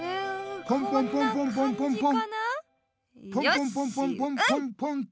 ポンポンポンポンポンポンと。